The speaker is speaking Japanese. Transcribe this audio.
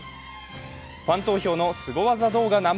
ファン投票のスゴ技動画